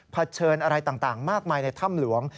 เฉินอะไรต่างมากมายในถ้ำหลวง